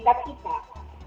salah satunya perpu atau